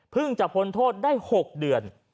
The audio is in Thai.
พึ่งจะพลโทษได้๖เดือน